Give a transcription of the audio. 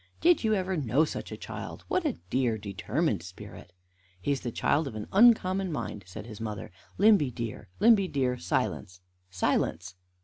"Did you ever know such a child? What a dear, determined spirit!" "He is a child of an uncommon mind," said his mother. "Limby, dear Limby, dear, silence! silence!"